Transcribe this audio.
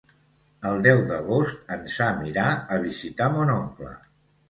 El deu d'agost en Sam irà a visitar mon oncle.